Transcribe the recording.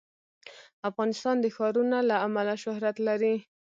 افغانستان د ښارونه له امله شهرت لري.